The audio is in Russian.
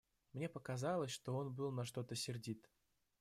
Мне показалось, что он был на что-то сердит.